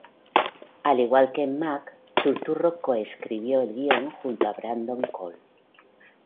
Al igual que en "Mac", Turturro coescribió el guion junto a Brandon Cole.